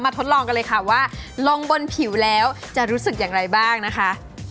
ทดลองกันเลยค่ะว่าลงบนผิวแล้วจะรู้สึกอย่างไรบ้างนะคะ